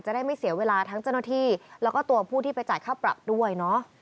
ได้ไม่เสียเวลาทั้งเจ้าหน้าที่แล้วก็ตัวผู้ที่ไปจ่ายค่าปรับด้วยเนาะ